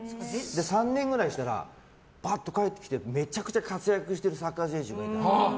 ３年くらいしたらばっと帰ってきてめちゃくちゃ活躍してるサッカー選手がいて。